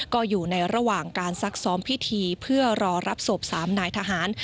ก็อยู่ในระหว่างการซักซ้อมพิธีเพื่อรอรับศพ๓นายทหาร